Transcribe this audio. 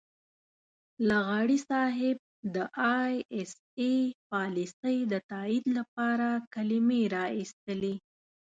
لغاري صاحب د اى ايس اى پالیسۍ د تائید لپاره کلمې را اېستلې.